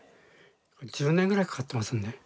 １０年ぐらいかかってますんで。